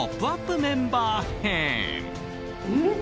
メンバー編。